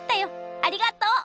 ありがとう！